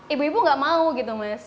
ibu ibu nggak mau gitu mas